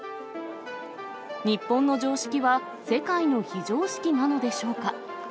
日本の常識は世界の非常識なのでしょうか。